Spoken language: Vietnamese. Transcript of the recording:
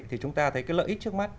thì chúng ta thấy cái lợi ích trước mắt